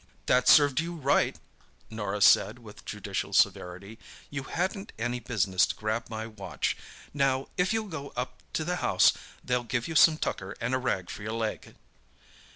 "That served you right," Norah said, with judicial severity. "You hadn't any business to grab my watch. Now, if you'll go up to the house they'll give you some tucker and a rag for your leg!"